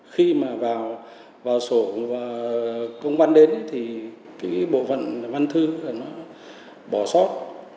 khi mà vào sổ công an đến thì cái bộ phận văn thư nó bỏ sót